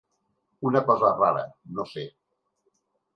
Una cosa rara, no sé.